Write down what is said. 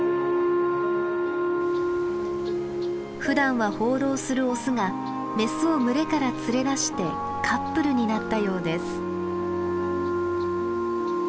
ふだんは放浪するオスがメスを群れから連れ出してカップルになったようです。